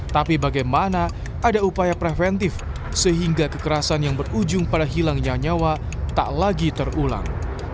tapi bagaimana ada upaya preventif sehingga kekerasan yang berujung pada hilangnya nyawa tak lagi terulang